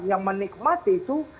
yang menikmati itu